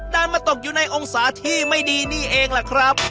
ดันมาตกอยู่ในองศาที่ไม่ดีนี่เองล่ะครับ